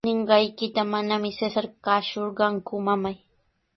Ninqaykita manami Cesar kaasurqanku, mamay.